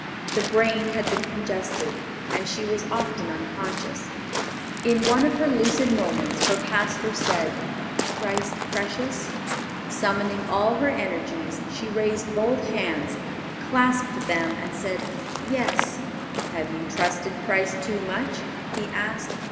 The brain had been congested, and she was often unconscious. In one of her lucid moments, her pastor said, "Christ precious?" Summoning all her energies, she raised both hands, clasped them, and said, "Yes." "Have you trusted Christ too much?" he asked.